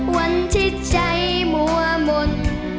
วันที่ใจมั่วมุน